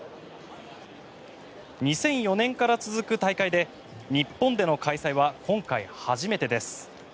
２００４年から続く大会で日本での開催は今回初めてです。